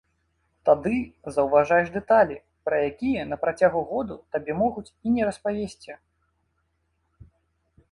Тады заўважаеш дэталі, пра якія на працягу году табе могуць і не распавесці.